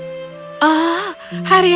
biasanya kehidupan kita masih itu saja